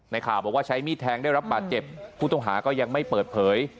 ข่าวบอกว่าใช้มีดแทงได้รับบาดเจ็บผู้ต้องหาก็ยังไม่เปิดเผย